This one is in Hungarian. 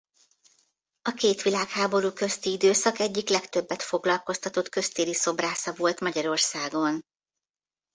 A két világháború közti időszak egyik legtöbbet foglalkoztatott köztéri szobrásza volt Magyarországon.